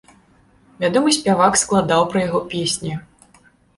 Вядомы спявак складаў пра яго песні.